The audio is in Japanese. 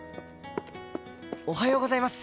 おはようございます。